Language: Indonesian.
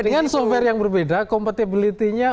dengan software yang berbeda kompatibilitasnya juga